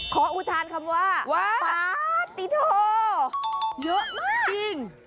อุทานคำว่าปาติโทเยอะมากจริง